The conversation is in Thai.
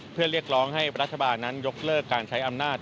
เพื่อเรียกร้องให้รัฐบาลนั้นยกเลิกการใช้อำนาจ